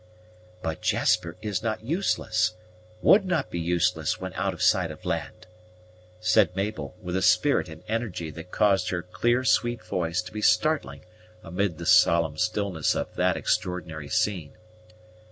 "But Jasper is not useless would not be useless when out of sight of land," said Mabel, with a spirit and energy that caused her clear sweet voice to be startling amid the solemn stillness of that extraordinary scene.